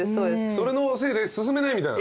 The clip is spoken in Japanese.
それのせいで進めないみたいな？